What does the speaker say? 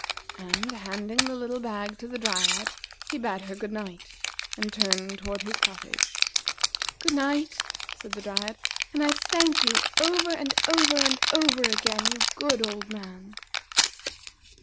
And, handing the little bag to the Dryad, he bade her good night, and turned toward his cottage. "Good night," said the Dryad. "And I thank you over, and over, and over again, you good old man!"